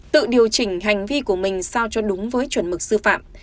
tự điều chỉnh hành vi của mình sao cho đúng với chuẩn mực sư phạm